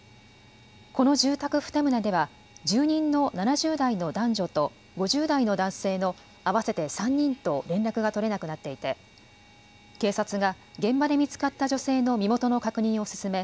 この住宅２棟では住人の７０代の男女と５０代の男性の合わせて３人と連絡が取れなくなっていて警察が現場で見つかった女性の身元の確認を進め